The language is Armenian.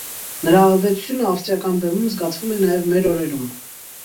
Նրա ազդեցությունը ավստրիական բեմում զգացվում է նաև մեր օրերում։